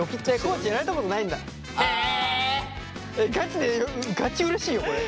ガチでガチうれしいよこれ。